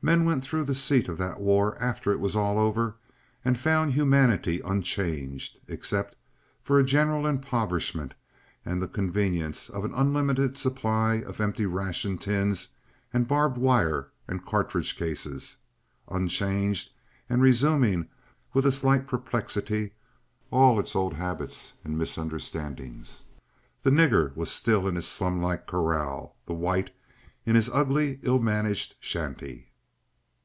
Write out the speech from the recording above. Men went through the seat of that war after it was all over, and found humanity unchanged, except for a general impoverishment, and the convenience of an unlimited supply of empty ration tins and barbed wire and cartridge cases—unchanged and resuming with a slight perplexity all its old habits and misunderstandings, the nigger still in his slum like kraal, the white in his ugly ill managed shanty.